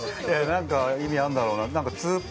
何か意味あるんだろうなって。